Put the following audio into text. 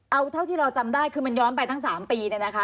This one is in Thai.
เอาเท่าที่เราจำได้คือมันย้อนไปทั้ง๓ปีเนี่ยนะคะ